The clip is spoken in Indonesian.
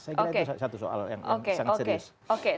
saya kira itu satu soal yang sangat serius